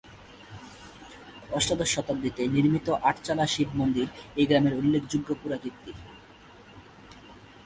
অষ্টাদশ শতাব্দীতে নির্মিত আটচালা শিবমন্দির এই গ্রামের উল্লেখযোগ্য পুরাকীর্তি।